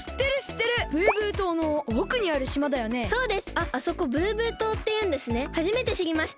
あっあそこブーブー島っていうんですねはじめてしりました。